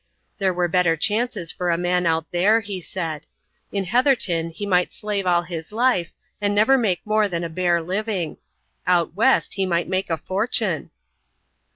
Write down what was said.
There were better chances for a man out there, he said; in Heatherton he might slave all his life and never make more than a bare living. Out west he might make a fortune.